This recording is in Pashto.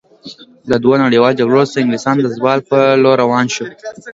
له دوو نړیوالو جګړو وروسته انګلستان د زوال په لور روان شو.